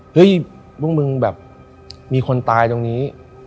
เฮ้ยพวกมึงแบบมีคนตายตรงนี้